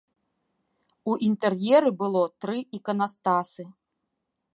У інтэр'еры было тры іканастасы.